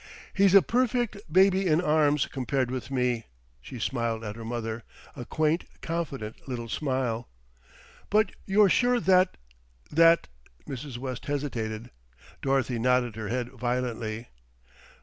"He's a perfect baby in arms compared with me," she smiled at her mother, a quaint confident little smile. "But you're sure that that " Mrs. West hesitated. Dorothy nodded her head violently.